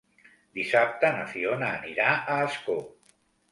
Dissabte na Fiona anirà a Ascó.